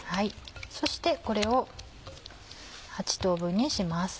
そしてこれを８等分にします。